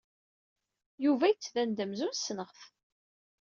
Yuba yettban-d amzun ssneɣ-t.